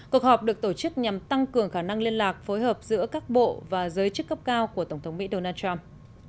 cuộc họp được tổ chức nhằm tăng cường khả năng liên lạc phối hợp giữa các bộ và giới chức cấp cao của tổng thống mỹ donald trump